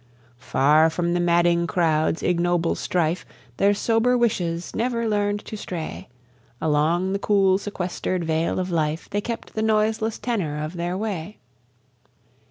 Far from the madding crowd's ignoble strife, Their sober wishes never learn'd to stray; Along the cool sequester'd vale of life They kept the noiseless tenour of their way.